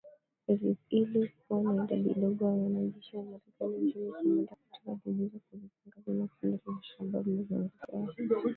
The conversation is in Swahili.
Ili kuwa na idadi ndogo ya wanajeshi wa Marekani nchini Somalia katika juhudi za kulilenga vyema kundi la al-Shabaab na viongozi wake